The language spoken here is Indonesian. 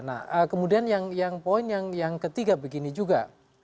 nah kemudian yang poin yang ketiga begini juga